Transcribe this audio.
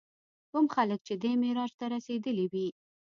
کوم خلک چې دې معراج ته رسېدلي وي.